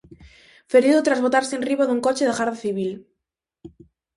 Ferido tras botarse enriba dun coche da Garda Civil.